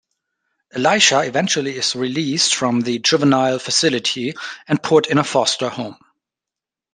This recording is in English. Elijah eventually is released from the juvenile facility and put in a foster home.